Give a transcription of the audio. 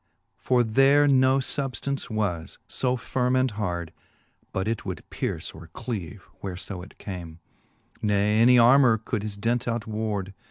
For there no fubftance was fb firme and hard. But it would pierce or cleave, where fo it came ; Ne any armour could his dint out ward.